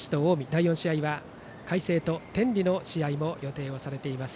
第４試合は海星と天理の試合が予定されています。